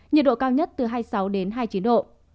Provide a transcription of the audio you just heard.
nhiệt độ cao nhất từ hai mươi sáu đến hai mươi chín độ